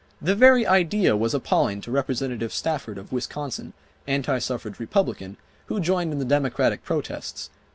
The very idea was appalling to Representative Stafford of Wisconsin, anti suffrage Republican, who joined in the Democratic protests.